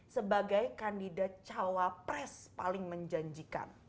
sebagai kandidat cawapres paling menjanjikan